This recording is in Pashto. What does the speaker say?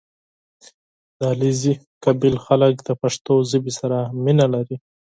• د علیزي قوم خلک د پښتو ژبې سره مینه لري.